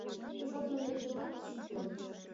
Шот манметымат шуктен